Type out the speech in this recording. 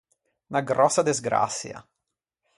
Unna gròssa desgraçia.